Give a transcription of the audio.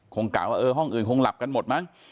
กะว่าเออห้องอื่นคงหลับกันหมดมั้ง